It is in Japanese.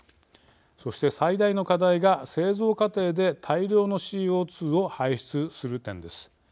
そして最大の課題が、製造過程で大量のＣＯ２を排出する点です。